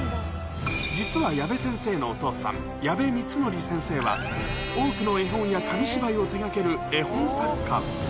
実は矢部先生のお父さん、やべみつのり先生は、多くの絵本や紙芝居を手がける絵本作家。